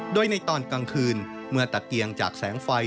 โดยในตอนกลางคืนเมื่อตะเกียงจากแสงไฟ